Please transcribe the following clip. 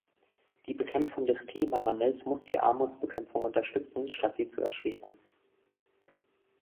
Die Bekämpfung des Klimawandels muss die Armutsbekämpfung unterstützen, statt sie zu erschweren.